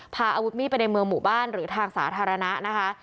พาอาวุธมีดไปในเมืองหมู่บ้านหรือทางสาธารณะนะคะ